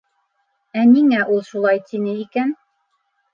Ә ниңә ул шулай тине икән?